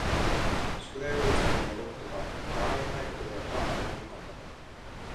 宿題をいつまでにやろうかとか、他愛のないことが頭に浮んだ